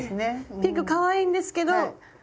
ピンクかわいいんですけど。